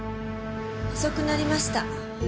遅くなりました。